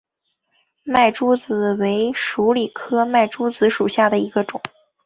麦珠子为鼠李科麦珠子属下的一个种。